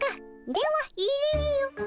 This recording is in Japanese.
では入れよ。